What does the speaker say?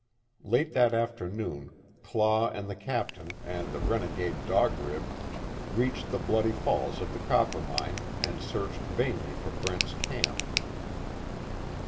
Late that afternoon Claw and the Captain, and the renegade Dog Rib reached the Bloody Falls of the Coppermine, and searched vainly for Brent's camp.